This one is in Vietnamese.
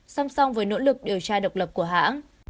song song với nỗ lực điều tra độc lập của hãng